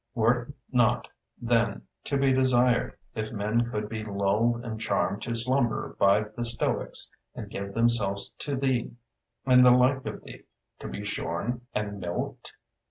Were it not, then, to be desired, if men could be lulled and charmed to slumber by the Stoics, and give themselves to thee and the like of thee, to be shorn and milked?